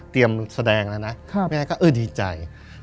เตรียมแสดงแล้วนะไม่ได้ก็เออดีใจ